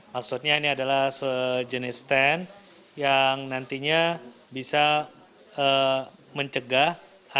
maksudnya ini adalah sejenis stand yang nantinya bisa mencegah